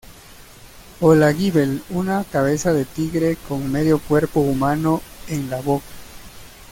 Olaguíbel: Una cabeza de tigre con medio cuerpo humano en la boca.